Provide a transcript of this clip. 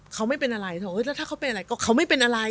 เขาไม่เป็นอะไรแล้วถ้าเขาเป็นอะไรก็เขาไม่เป็นอะไร